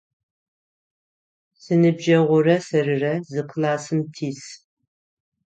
Синыбджэгъурэ сэрырэ зы классым тис.